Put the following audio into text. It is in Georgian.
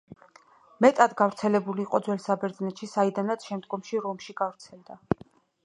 მეტად გავრცელებული იყო ძველ საბერძნეთში, საიდანაც შემდგომში რომში გავრცელდა.